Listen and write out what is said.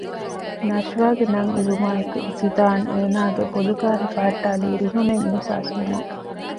ނަޝްވާގެ ނަން އިވުމާއިއެކު ޒިދާން އޭނާގެ ބޮލުގައި ހިފަހައްޓާލީ ރިހުމެއް އިހުސާސްވުމުން